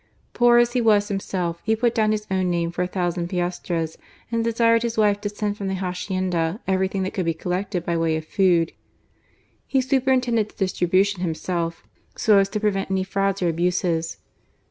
Poor as he was himself, he put down his own name for a thousand piastres, and desired his wife to send from their hacienda every thing that could be collected by way of food. He superintended the distribution himself, so as to prevent any frauds or abuses.